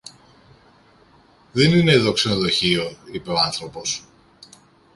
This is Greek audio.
Δεν είναι δω ξενοδοχείο, είπε ο άνθρωπος.